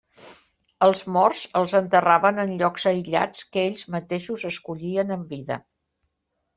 Els morts els enterraven en llocs aïllats que ells mateixos escollien en vida.